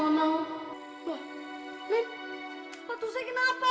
bu ini sepatu saya kena apa